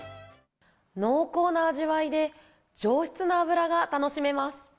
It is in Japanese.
濃厚な味わいで、上質な脂が楽しめます。